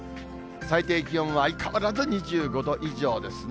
最低気温は相変わらず２５度以上ですね。